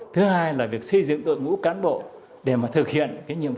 thứ hai là việc xây dựng đội ngũ cán bộ để thực hiện